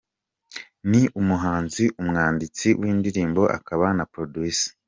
Ni umuhanzi, umwanditsi w’indirimbo akaba na Producer.